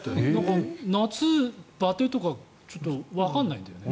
夏バテとかわからないんだよね。